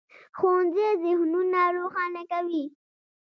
ښوونځی ذهنونه روښانه کوي.